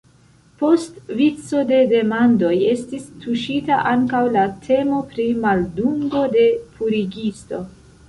Post vico de demandoj estis tuŝita ankaŭ la temo pri maldungo de purigisto.